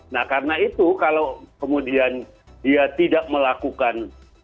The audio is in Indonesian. nah karena itu kalau kemudian dia tidak melakukan